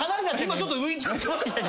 今ちょっと浮いちゃってます。